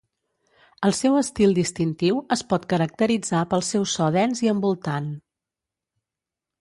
El seu estil distintiu es pot caracteritzar pel seu so dens i envoltant.